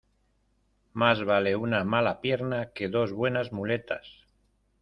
Más vale una mala pierna que dos buenas muletas.